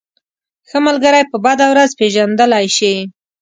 ښه ملگری په بده ورځ پېژندلی شې.